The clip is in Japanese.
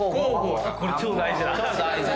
これ超大事だ。